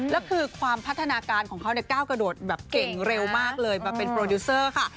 แล้วคือความพัฒนาการของเขาก้าวกระโดดแบบเก่งเร็วมากเลยมาเป็นโปรดิวเซอร์ค่ะ